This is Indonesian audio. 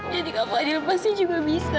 jadi kak fadil pasti juga bisa